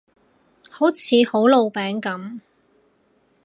好似好老餅噉